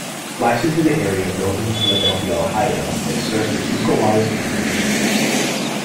Licensed to the area of Dover-New Philadelphia, Ohio, it serves the Tuscarawas County area.